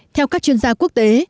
theo các chuyên gia quốc tế